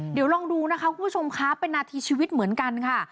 เดี๋ยวลองดูนะคะคุณผู้ชมคะเป็นนาทีชีวิตเหมือนกันค่ะ